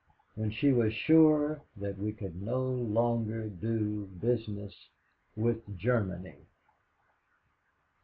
When she was sure that we could no longer do business with Germany.